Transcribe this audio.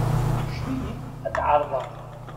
Ǧǧet-iyi ad ɛerḍeɣ.